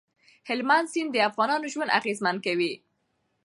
هلمند سیند د افغانانو ژوند اغېزمن کوي.